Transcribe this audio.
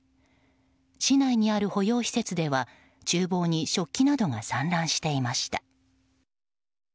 市内にある保養施設では厨房に食器などが散乱していました。